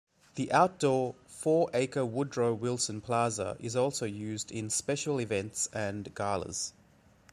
The outdoor, four-acre Woodrow Wilson Plaza is also used in special events and galas.